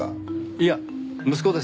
いや息子です。